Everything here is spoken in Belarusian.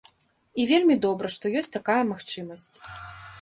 І вельмі добра, што ёсць такая магчымасць.